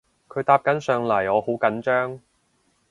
佢搭緊上嚟我好緊張